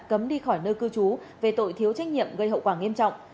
cấm đi khỏi nơi cư trú về tội thiếu trách nhiệm gây hậu quả nghiêm trọng